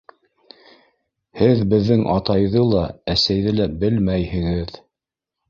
— Һеҙ беҙҙең атайҙы ла, әсәйҙе лә белмәйһегеҙ.